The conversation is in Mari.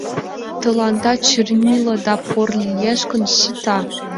Тыланда чернила да пор лиеш гын, сита.